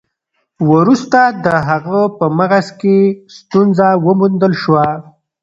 وروسته د هغه په مغز کې ستونزه وموندل شوه.